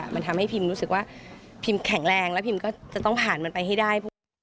มันทำให้พิมรู้สึกว่าพิมแข็งแรงแล้วพิมก็จะต้องผ่านมันไปให้ได้พวกนี้